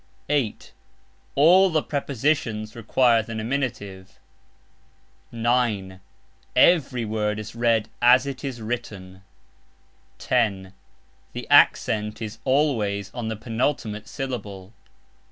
(8) ALL the PREPOSITIONS require the nominative. (9) EVERY word is read as it is written. (10) The ACCENT is ALWAYS on the penultimate syllable.